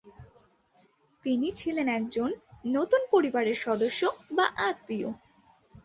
তিনি ছিলেন একজন নতুন পরিবারের সদস্য বা আত্মীয়।